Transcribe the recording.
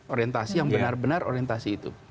orientasi yang benar benar orientasi itu